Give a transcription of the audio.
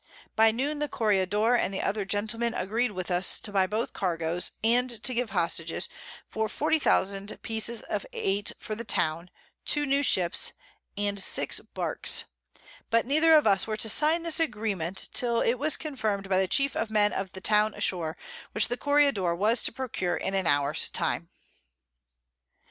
By Noon the Corregidore and the other Gentlemen agreed with us to buy both Cargoes, and to give Hostages for 40000 Pieces of Eight for the Town, 2 new Ships, and 6 Barks: But neither of us were to sign this Agreement till it was confirm'd by the chief Men of the Town ashore, which the Corregidore was to procure in an hours time.